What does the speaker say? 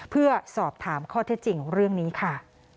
เพื่อสอบถามข้อเท็จจริงเรื่องนี้ค่ะ